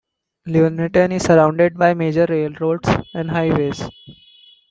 Lunetten is surrounded by major railroads and highways.